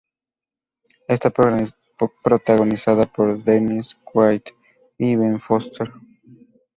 Está protagonizada por Dennis Quaid y Ben Foster.